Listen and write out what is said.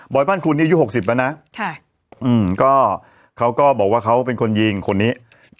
บอยบ้านครัวนี้อายุหกสิบแล้วนะค่ะอืมก็เขาก็บอกว่าเขาเป็นคนยิงคนนี้